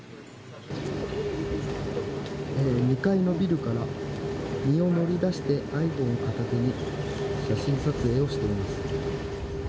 ２階のビルから身を乗り出してｉＰｈｏｎｅ片手に写真撮影をしています。